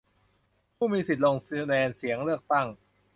ผู้มีสิทธิ์ลงคะแนนเสียงเลือกตั้ง